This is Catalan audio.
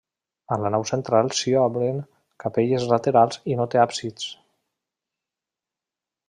A la nau central s'hi obren capelles laterals i no té absis.